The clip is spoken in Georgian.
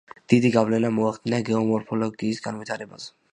დიდი გავლენა მოახდინა გეომორფოლოგიის განვითარებაზე.